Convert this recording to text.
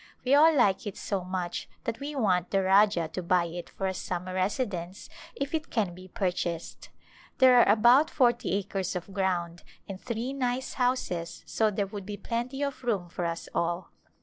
We all like it so much that we want the Rajah to buy it for a sum mer residence if it can be purchased. There are about forty acres of ground and three nice houses so there would be plenty of room for us all.